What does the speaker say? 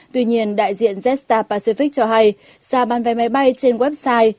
tuy nhiên đại diện z star pacific cho hay giá bán vé máy bay trên website